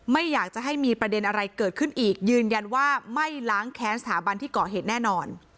ไม่อยากจะให้มีประเด็นอะไรเกิดขึ้นอีกยืนยันว่าไม่ล้างแค้นสถาบันที่ก่อเหตุแน่นอน